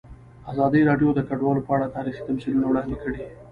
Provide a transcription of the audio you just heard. ازادي راډیو د کډوال په اړه تاریخي تمثیلونه وړاندې کړي.